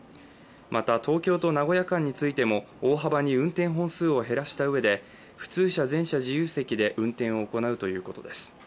また、東京と名古屋間についても大幅に運転本数を減らしたうえで普通車全車自由席で運転を行うということです。